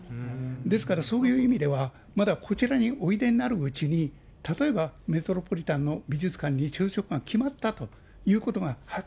ですからそういう意味では、まだこちらにおいでになるうちに、例えばメトロポリタンの美術館に就職が決まったということがはっ